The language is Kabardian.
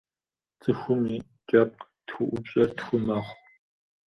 Цӏыхум и кӏэпкъ тхыӏупщэр тху мэхъу.